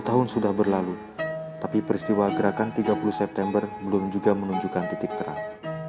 dua puluh tahun sudah berlalu tapi peristiwa gerakan tiga puluh september belum juga menunjukkan titik terang